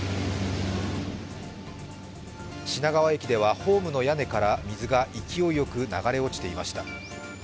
品川駅ではホームの屋根から水が勢いよく流れ落ちていました。